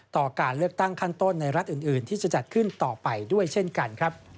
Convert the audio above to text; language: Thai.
การเลือกตั้งขั้นต้นในรัฐอื่นที่จะจัดขึ้นต่อไปด้วยเช่นกันครับ